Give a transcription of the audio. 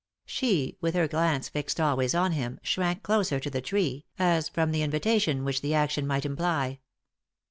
She, with her glance fixed always on him, shrank closer to the tree, as from the invitation which the action might imply.